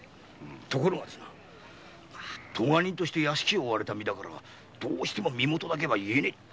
ところが科人として屋敷を追われた身だから身もとだけは言えねえと。